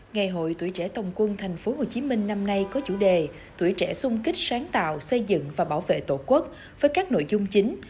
ngày hội tuổi trẻ tồng quân tp hcm năm nay có chủ đề tuổi trẻ sung kích sáng tạo xây dựng và bảo vệ tổ quốc với các nội dung chính